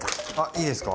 いいですか？